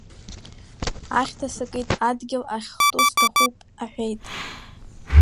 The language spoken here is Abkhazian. Ахьҭа сакит, адгьыл ахьхту сҭахуп, — аҳәеит.